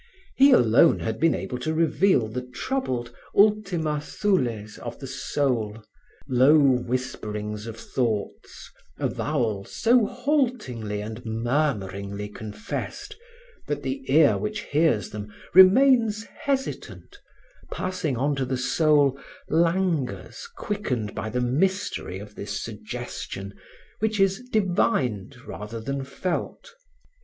He alone had been able to reveal the troubled Ultima Thules of the soul; low whisperings of thoughts, avowals so haltingly and murmuringly confessed that the ear which hears them remains hesitant, passing on to the soul languors quickened by the mystery of this suggestion which is divined rather than felt.